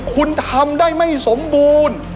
คุณทำได้ไม่สมบูรณ์